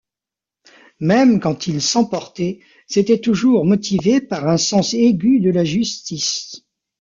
Même quand il s’emportait, c’était toujours motivé par un sens aigu de la justice.